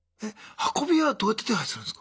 運び屋はどうやって手配するんすか？